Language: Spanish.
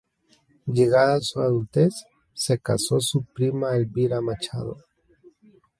Llegada su adultez, se casó con su prima Elvira Machado.